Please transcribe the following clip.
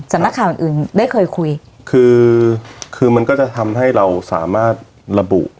นักข่าวอื่นอื่นได้เคยคุยคือคือมันก็จะทำให้เราสามารถระบุ